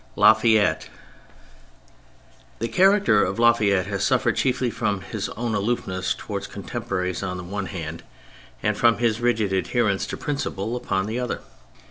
LA FAYETTE The character of La Fayette has suffered chiefly from his own aloofness towards his contemporaries on the one hand, and from his rigid adherence to principle upon the other.